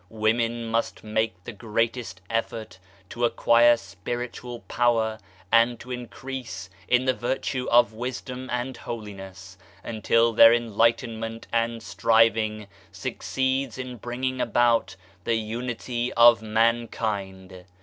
Women must make the greatest effort to acquire spiritual power and to increase in the Virtue of Wisdom and Holiness until their enlightenment and striving succeeds in bringing about the Unity of Manldnd.